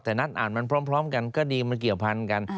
แต่นัดอ่านมันพร้อมกันก็ดีมันเกี่ยวพันกัน